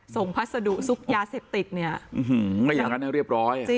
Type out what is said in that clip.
ส่งภาษาดุซุกยาเสพติดเนี่ยเอาอย่างนั้นเนี่ยเรียบร้อย